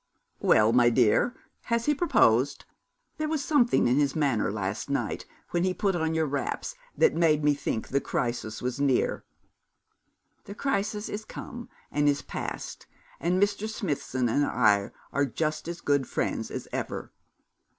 'Well, my dear, has he proposed? There was something in his manner last night when he put on your wraps that made me think the crisis was near.' 'The crisis is come and is past, and Mr. Smithson and I are just as good friends as ever.'